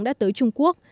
đã tới trung quốc